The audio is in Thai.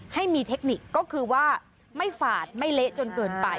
ให้มีเทคนิคก็คือว่าไม่ฝาดไม่เละจนเกินไป